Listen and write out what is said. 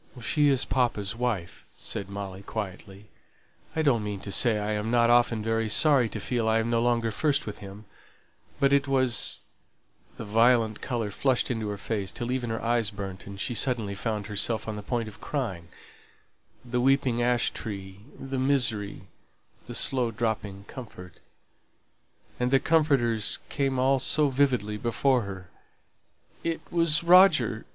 "She is papa's wife," said Molly, quietly. "I don't mean to say I'm not often very sorry to feel I'm no longer first with him; but it was" the violent colour flushed into her face till even her eyes burnt, and she suddenly found herself on the point of crying; the weeping ash tree, the misery, the slow dropping comfort, and the comforter came all so vividly before her "it was Roger!"